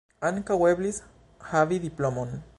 Ankaŭ eblis havi diplomon.